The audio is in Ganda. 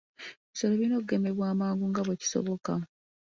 Ebisolo birina okugemebwa amangu nga bwe kisoboka.